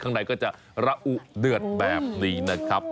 ข้างในก็จะระอุเดือดแบบนี้นะครับ